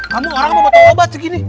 kamu orang apa bawa obat segini